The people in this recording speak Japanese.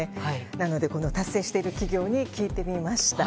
なので、達成している企業に聞いてみました。